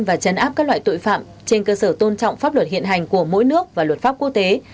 và chấn áp các loại tội phạm trên cơ sở tôn trọng pháp luật hiện hành của mỗi nước và luật pháp quốc tế